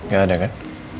gak ada kan